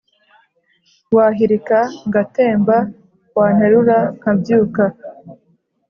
Wahirika ngatemba Wanterura nkabyuka